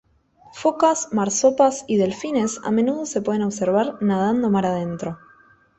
Focas, marsopas y delfines a menudo se pueden observar nadando mar adentro.